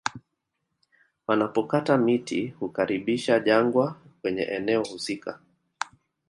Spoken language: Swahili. Wanapokata miti hukaribisha jangwa kwenye eneo husika